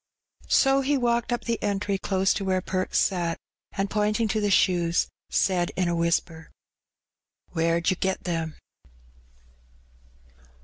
So he walked up the entry close to where Perks sat, and pointing to the shoes, said in a whispei "Where'd yer get them?